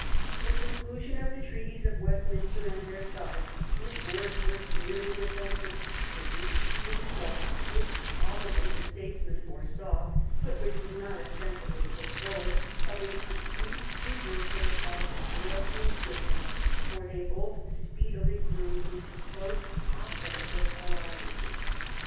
The conclusion of the Treaties of Westminster and Versailles, which were at first merely defensive, pro duced the result, which probably the statesmen foresaw, but which was not ostensibly put forward, of a complete reversal of the European system, for they both speedily grew into close offensive alliances.